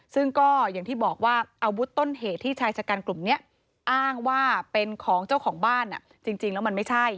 ซึ่งก็อย่างที่บอกว่าอาวุธต้นเหตุที่ชายชะกันกลุ่มนี้อ้างว่าเป็นของเจ้าของบ้านจริงแล้วมันไม่ใช่